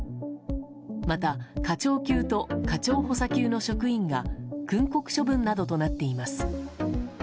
また、課長級と課長補佐級の職員が訓告処分などとなっています。